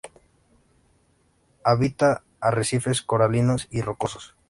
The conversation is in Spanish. Habita arrecifes coralinos y rocosos.